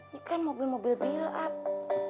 ya kan mobil mobil belakang